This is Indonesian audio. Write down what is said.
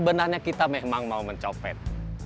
lama lama ilang ceritanya iedereen di keban kursus